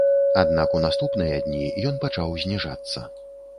Аднак у наступныя дні ён пачаў зніжацца.